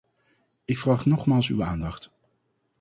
Ik vraag nogmaals uw aandacht.